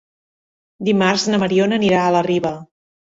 Dimarts na Mariona anirà a la Riba.